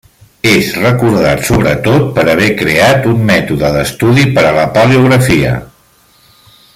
És recordat sobretot per haver creat un mètode d'estudi per a la Paleografia.